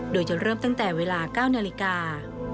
โดยจะเริ่มตั้งแต่เวลา๙นาฬิกา